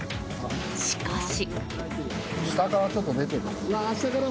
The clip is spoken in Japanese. しかし。